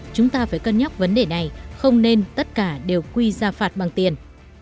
chúng ta phải cân nhắc vấn đề này không nên tất cả đều quy ra phạt bằng tiền